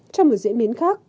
trong một diễn biến khác